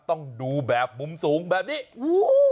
ต้องดูแบบมุมสูงแบบนี้โอ้โห